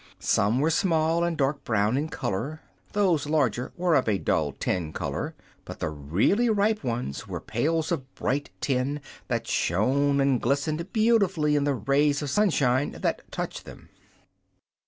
Some were small and dark brown in color; those larger were of a dull tin color; but the really ripe ones were pails of bright tin that shone and glistened beautifully in the rays of sunshine that touched them.